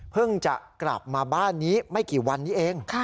จะกลับมาบ้านนี้ไม่กี่วันนี้เอง